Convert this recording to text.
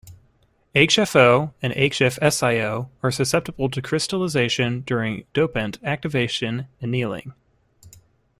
HfO and HfSiO are susceptible to crystallization during dopant activation annealing.